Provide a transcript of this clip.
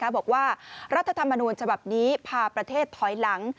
บอกว่ารัฐธรรมนูญฉบับนี้พาประเทศถอยหลัง